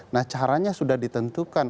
nah caranya sudah ditentukan